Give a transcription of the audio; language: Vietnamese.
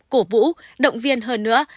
cổ vũ động viên hơn nữa